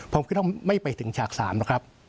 ผมคิดว่าไม่ไปถึงฉากสามนะครับ